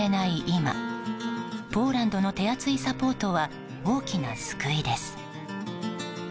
今ポーランドの手厚いサポートは大きな救いです。